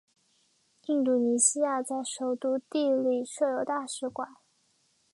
印度尼西亚在首都帝力设有大使馆。